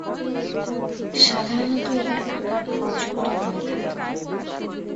সাধারণত এদের আকার পর্যন্ত হয়ে থাকে।